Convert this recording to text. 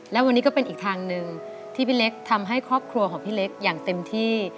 และวันนี้ก็เป็นอีกทางหนึ่งที่พี่เล็กทำให้ครอบครัวของพี่เล็กอย่างเต็มที่